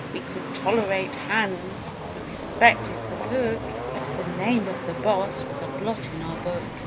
We could tolerate 'hands' We respected the cook; But the name of a Boss was a blot in our book.